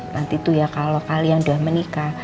nanti tuh ya kalo kalian udah menikah